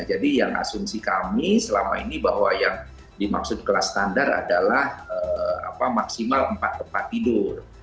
jadi yang asumsi kami selama ini bahwa yang dimaksud kelas standar adalah maksimal empat tempat tidur